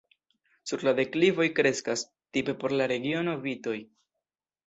Sur la deklivoj kreskas, tipe por la regiono, vitoj.